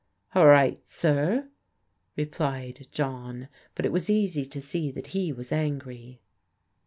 " All right, sir," replied John, but it v^as easy to see that he was angry.